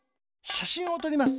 しゃしんをとります。